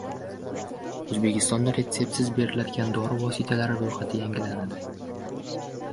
O‘zbekistonda retseptsiz beriladigan dori vositalari ro‘yxati yangilanadi